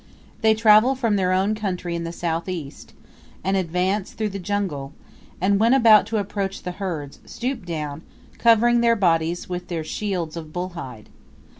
They travel from their own country in the south east, and advance through the jungle, and when about to approach the herds, stoop down, covering their bodies with their shields of bull hide.